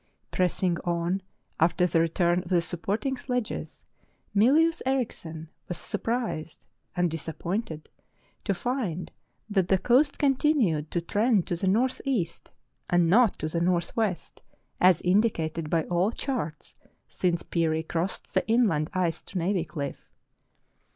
Pressing on after the return of the supporting sledges, Mylius Erichsen was surprised and disappointed to find that the coast continued to trend to the north east, and not to the northwest, as indicated by all charts since Peary crossed the inland ice to Navy Cliff.